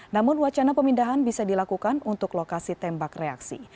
namun wacana pemindahan bisa dilakukan untuk lokasi tembak reaksi